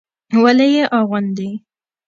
ولې يې اغوندي.